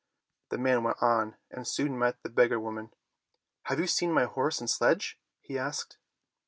The man went on and soon met the beg gar woman. "Have you seen my horse and sledge.^" he asked.